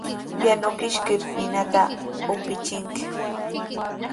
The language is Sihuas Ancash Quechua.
Yanukiskir ninata upichinki.